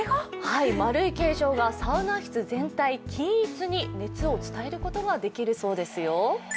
丸い形状が、サウナ室全体に均一に熱を伝えることができるそうですよ。